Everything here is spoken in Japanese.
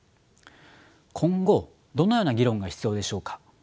今後どのような議論が必要でしょうか。